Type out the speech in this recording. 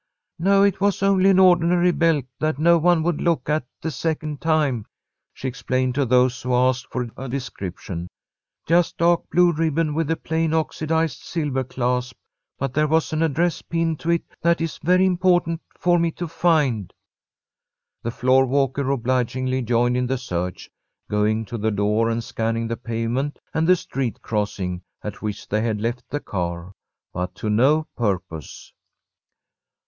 "No, it was only an ordinary belt that no one would look at the second time," she explained to those who asked for a description. "Just dark blue ribbon with a plain oxidized silver clasp. But there was an address pinned to it that is very important for me to find." The floor walker obligingly joined in the search, going to the door and scanning the pavement and the street crossing at which they had left the car, but to no purpose.